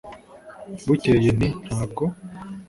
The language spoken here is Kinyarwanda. bukeye nti: “ntabwo”